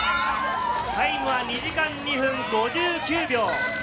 タイムは２時間２分５９秒。